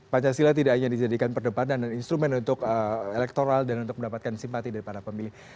pancasila tidak hanya dijadikan perdebatan dan instrumen untuk elektoral dan untuk mendapatkan simpati dari para pemilih